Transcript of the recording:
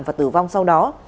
và tử vong sau đó